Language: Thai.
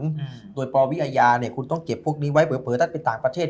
แต่ว่าตัวปรวิยาคุณต้องเก็บพวกนี้ไว้เผลอถ้าไปต่างประเทศ